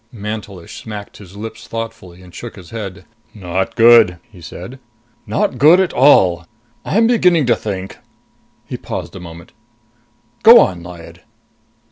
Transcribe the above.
Mantelish smacked his lips thoughtfully and shook his head. "Not good!" he said. "Not at all good! I'm beginning to think " He paused a moment. "Go on, Lyad."